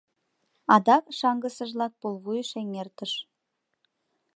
Адак шаҥгысыжлак пулвуйыш эҥертыш.